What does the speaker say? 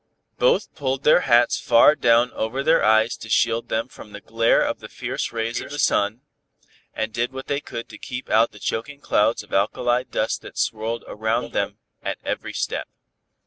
Both pulled their hats far down over their eyes to shield them from the glare of the fierce rays of the sun, and did what they could to keep out the choking clouds of alkali dust that swirled around them at every step.